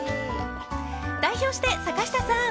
代表して、坂下さん！